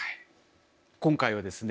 今回はですね